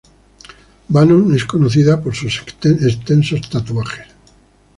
Bannon es conocido por sus extensos tatuajes.